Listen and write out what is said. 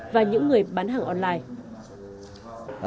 và những người bán hàng online